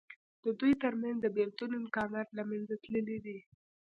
د دوی تر منځ د بېلتون امکانات له منځه تللي دي.